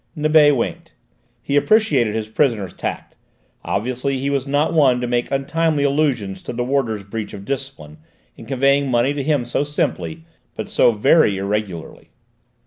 Nibet winked; he appreciated his prisoner's tact; obviously he was not one to make untimely allusions to the warder's breach of discipline in conveying money to him so simply, but so very irregularly.